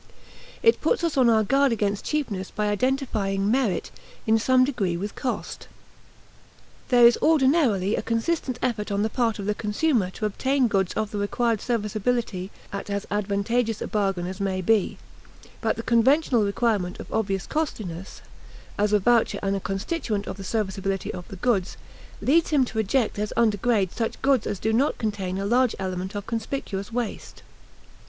It puts us on our guard against cheapness by identifying merit in some degree with cost. There is ordinarily a consistent effort on the part of the consumer to obtain goods of the required serviceability at as advantageous a bargain as may be; but the conventional requirement of obvious costliness, as a voucher and a constituent of the serviceability of the goods, leads him to reject as under grade such goods as do not contain a large element of conspicuous waste.